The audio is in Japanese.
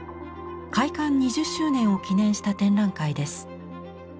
開館２０周年を記念した展覧会です。